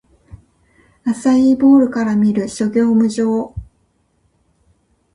アサイーボウルから見る！諸行無常